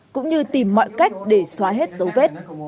cũng như tìm mọi cách để xóa hết dấu vết